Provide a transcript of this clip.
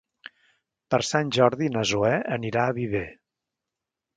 Per Sant Jordi na Zoè anirà a Viver.